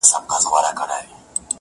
زنګ وهلی د خوشال د توري شرنګ یم~